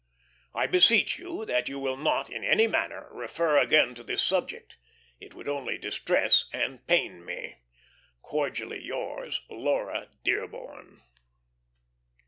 I beseech you that you will not, in any manner, refer again to this subject. It would only distress and pain me. "Cordially yours, "LAURA DEARBORN."